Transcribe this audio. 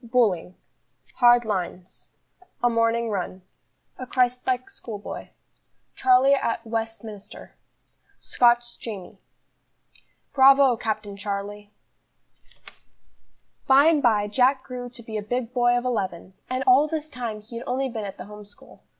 Bullying. Hard lines. A morning run. A Christ like schoolboy. Charlie at Westminster. Scotch Jamie. "Bravo, Captain Charlie!" BY and by Jack grew to be a big boy of eleven, and all this time he had only been at the home school.